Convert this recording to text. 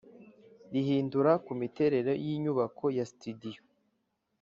Rihindura ku miterere y inyubako ya sitidiyo